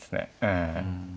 ええ。